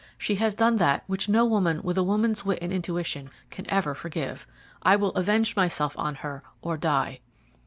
She has done that which no woman with a woman's wit and intuition can ever forgive. I will avenge myself on her or die."